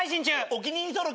お気に入り登録。